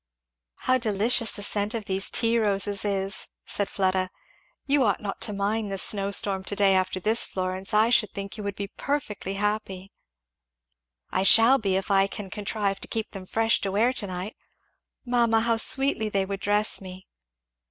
"How delicious the scent of these tea roses is!" said Fleda. "You ought not to mind the snow storm to day after this, Florence. I should think you would be perfectly happy." "I shall be, if I can contrive to keep them fresh to wear to night. Mamma how sweetly they would dress me."